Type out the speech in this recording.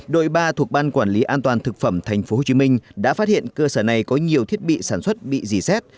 đội ba thuộc ban quản lý an toàn thực phẩm tp hcm đã phát hiện cơ sở này có nhiều thiết bị sản xuất bị dì xét